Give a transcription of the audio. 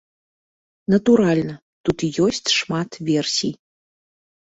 Натуральна, тут ёсць шмат версій.